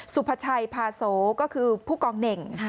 สุภาชัยพาโสก็คือผู้กองเน่ง